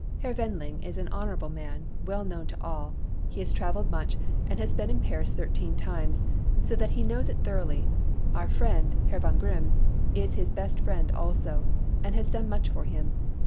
Herr Wendling is an honourable man, well known to all: he has travelled much, and been in Paris thirteen times, so that he knows it thoroughly; our friend Herr von Grimm is his best friend also, and has done much for him.